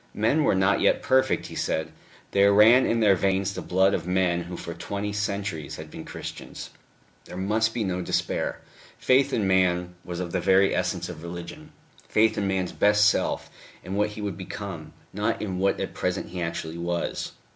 Men were not yet perfect, he said; there ran in their veins the blood of men who for twenty centuries had been Christians.... There must be no despair; faith in man was of the very essence of religion, faith in man's best self, in what he would become, not in what at present he actually was.